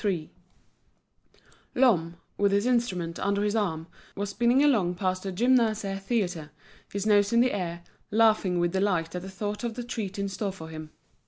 Lhomme, with his instrument under his arm, was spinning along past the Gymnase Theatre, his nose in the air, laughing with delight at the thought of the treat in store for him.